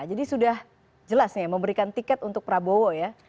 jadi sudah jelas ya memberikan tiket untuk prabowo ya